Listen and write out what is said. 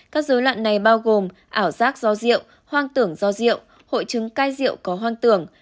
các dối loạn này bao gồm ảo giác do rượu hoang tưởng do rượu hội chứng cai rượu có hoang tưởng